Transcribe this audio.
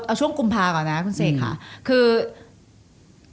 เอาช่วงกุมภาก่อนนะคุณเศคยังไม่งั้น